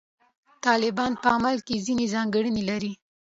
طالبان په عمل کې ځینې ځانګړنې لري.